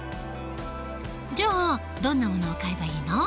じゃあどんなものを買えばいいの？